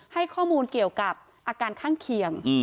ให้ข้อมูลเกี่ยวกับอาการข้างเคียง